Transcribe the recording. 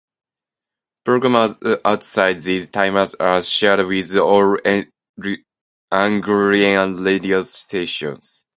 Programmes outside these times are shared with all Anglian Radio stations.